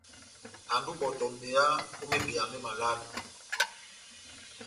Andi ó ibɔtɔ meyá ó mebeya mé malale.